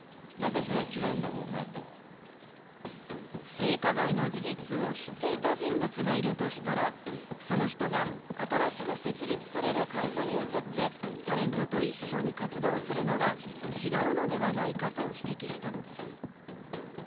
性加害の事実を知っていた人物がいるとしたら、その人が新しく設立される会社に移って、タレントと一緒に活動するのは違うのではないかと指摘したのです。